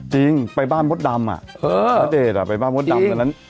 จริงไปบ้านหมดดำนาเตศ่ล่ะไปบ้านหมดดำ